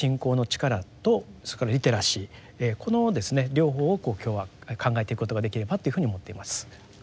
両方を今日は考えていくことができればというふうに思っています。